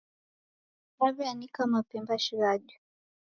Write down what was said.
Naw'eanika mapemba shighadi.